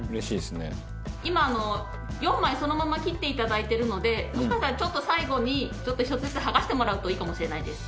今４枚そのまま切っていただいてるのでもしかしたらちょっと最後に１つずつはがしてもらうといいかもしれないです。